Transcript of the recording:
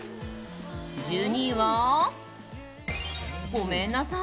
１２位は、ごめんなさい！